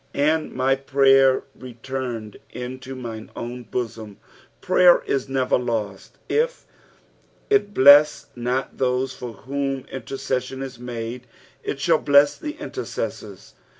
"And my prayer returned into mine oun botom.'" Prayer is never lost : if it bless not those for whom intercession is made, it shall bless the intercessors.